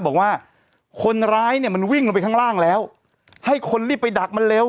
บอกว่าคนร้ายเนี่ยมันวิ่งลงไปข้างล่างแล้วให้คนรีบไปดักมันเร็ว